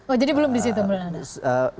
oh jadi belum di situ menurut anda